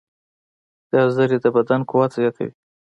ګازرې د بدن قوت زیاتوي.